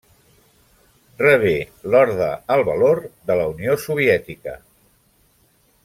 Rebé l'Orde al Valor de la Unió Soviètica.